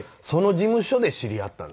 事務所で知り合ったの？